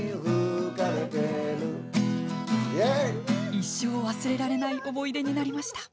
一生忘れられない思い出になりました。